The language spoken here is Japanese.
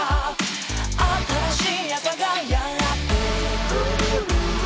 「新しい朝がやってくる」